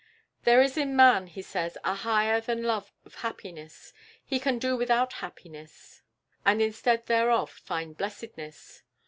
"There is in man," he says, "a Higher than Love of Happiness; he can do without Happiness, and instead thereof find Blessedness!